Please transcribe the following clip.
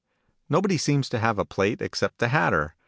Nobody seems to have a plate except the Hatter.